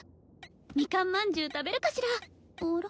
ミカンまんじゅう食べるかしらあら？